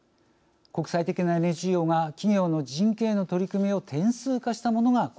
国際的なＮＧＯが企業の人権への取り組みを点数化したものがこちらです。